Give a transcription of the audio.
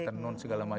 ternun segala macam